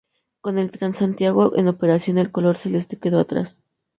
Con el Transantiago en operación, el color celeste quedó atrás.